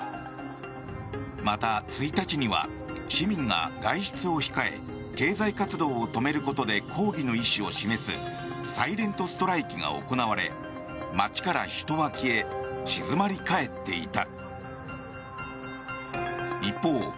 また、１日には市民が外出を控え経済活動を止めることで抗議の意思を示すサイレント・ストライキが行われ街から人は消え静まり返っていた。